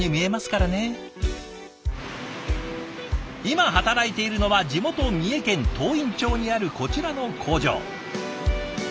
今働いているのは地元三重県東員町にあるこちらの工場。